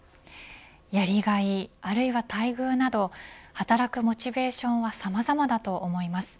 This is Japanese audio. やりがい、あるいは待遇など働くモチベーションはさまざまだと思います。